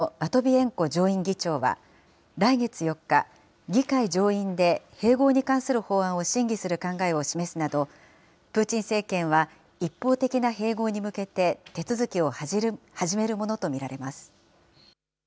また、ロシアのマトビエンコ上院議長は来月４日、議会上院で併合に関する法案を審議する考えを示すなど、プーチン政権は一方的な併合に向けて、手続きを始めるものと見られます。